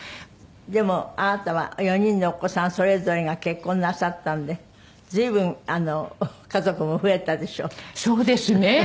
でもあなたは４人のお子さんそれぞれが結婚なさったんで随分家族も増えたでしょ。